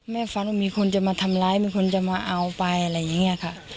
ฝันว่ามีคนจะมาทำร้ายมีคนจะมาเอาไปอะไรอย่างนี้ค่ะ